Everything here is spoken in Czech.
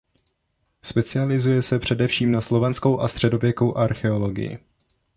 Specializuje se především na slovanskou a středověkou archeologii.